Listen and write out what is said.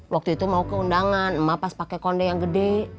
waktu itu mau keundangan emak pas pakai konde yang gede